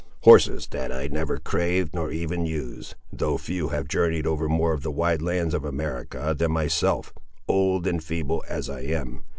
"Horses have I never craved, nor even used; though few have journeyed over more of the wide lands of America than myself, old and feeble as I seem.